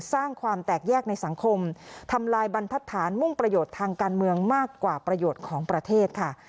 สร้างความแตกแยกในสังคมทำลายบรรทัศน์มุ่งประโยชน์ทางการเมืองมากกว่าประโยชน์ของประเทศค่ะ